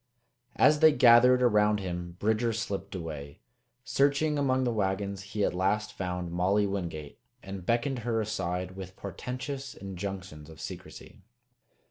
As they gathered around him Bridger slipped away. Searching among the wagons, he at last found Molly Wingate and beckoned her aside with portentous injunctions of secrecy.